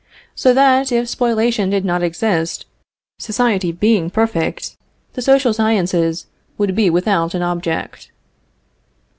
So that, if spoliation did not exist, society being perfect, the social sciences would be without an object.